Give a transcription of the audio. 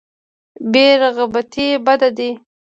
بې رغبتي بد دی.